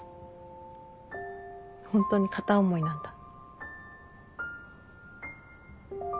ホントに片思いなんだ。